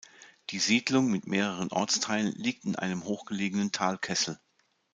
Die Siedlung mit mehreren Ortsteilen liegt in einem hochgelegenen Talkessel.